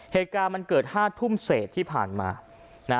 เหตุการณ์มันเกิด๕ทุ่มเศษที่ผ่านมานะ